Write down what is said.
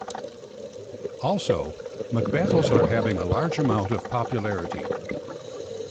Also Mc Battles are having a large amount of popularity.